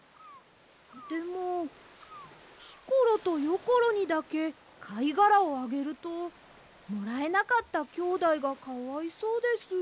でもひころとよころにだけかいがらをあげるともらえなかったきょうだいがかわいそうです。